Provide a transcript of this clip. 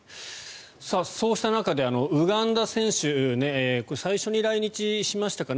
そうした中でウガンダ選手最初に来日しましたかね。